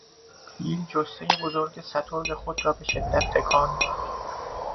فیل جثهی سترگ خود را به شدت تکان داد.